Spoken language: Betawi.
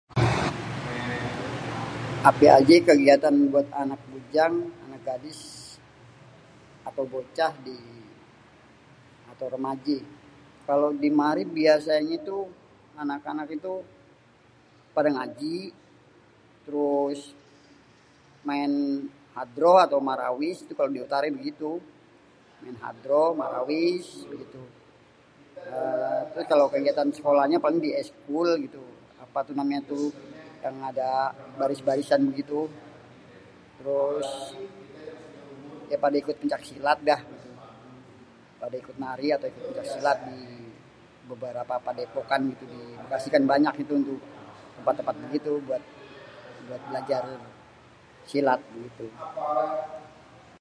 Apé ajé kégiatan buat anak bujang, anak gadis atau bocah, atau rémajé? Kalau di mari biasanya itu anak-anak itu pada ngaji terus main hadroh atau marawis itu kalau diutarain begitu main hadroh marawis. Eeee kalau kégiatan sekolahnya paling dieskul gitu apatuh namanya tuh yang ada baris-barisan bégitu, terus ya pada ikut péncak silat dah, pada ikut nari, péncak silat dibeberapa padépokan di Bekasi kan banyak témpat-témpat bégitu buat bélajar silat gitu.